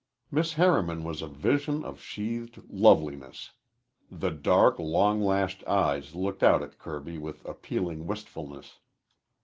Miss Harriman was a vision of sheathed loveliness. The dark, long lashed eyes looked out at Kirby with appealing wistfulness.